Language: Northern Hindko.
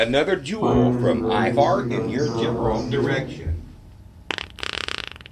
پنج دے زلزلے بچ بھی کافی سارا بہج گیا۔